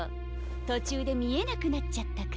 とちゅうでみえなくなっちゃったから。